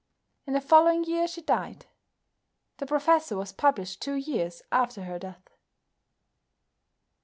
In the following year she died. "The Professor" was published two years after her death.